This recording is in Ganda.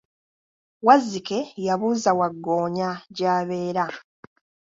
Wazzike yabuuza Waggoonya gy'abeera.